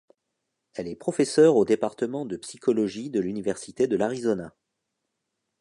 Elle est professeure au département de psychologie de l'université de l'Arizona.